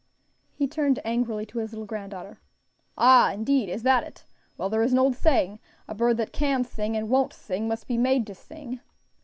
He turned angrily to his little granddaughter. "Ah! indeed, is that it? Well, there is an old saying. 'A bird that can sing, and won't sing, must be made to sing.'"